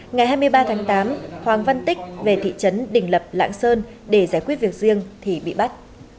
ngày hai mươi ba tháng tám hoàng văn tích về thị trấn đình lập lạng sơn để giải quyết việc riêng thì bị bắt